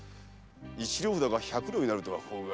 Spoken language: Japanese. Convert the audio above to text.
一両札が百両になるとは法外。